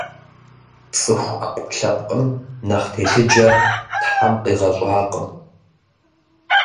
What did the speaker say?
Цӏыху ӏэпкълъэпкъым нэхъ телъыджэ Тхьэм къигъэщӏакъым.